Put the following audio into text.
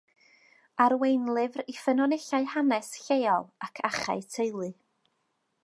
Arweinlyfr i ffynonellau hanes lleol ac achau teulu.